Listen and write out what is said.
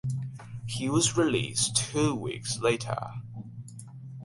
He was released two weeks later.